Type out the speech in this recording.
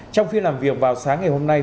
trong phiên làm việc vào sáng ngày hôm nay